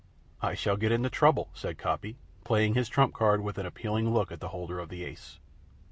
"I shall get into trouble," said Coppy, playing his trump card with an appealing look at the holder of the ace.